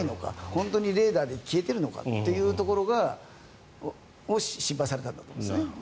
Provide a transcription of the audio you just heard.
本当にレーダーで消えてるのかというところを心配されたんだと思います。